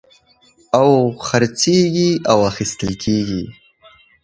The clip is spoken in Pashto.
او خرڅېږي او اخيستل کېږي.